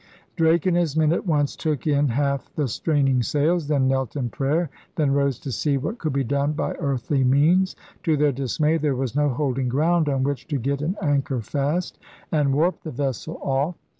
Drake and his men at once took in half the strain ing sails; then knelt in prayer; then rose to see what could be done by earthly means. To their dismay there was no holding ground on which to get an anchor fast and warp the vessel off.